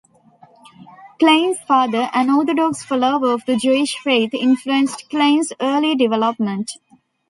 Klein's father, an Orthodox follower of the Jewish faith, influenced Klein's early development.